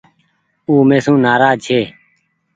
او مي سون نآراز ڇي۔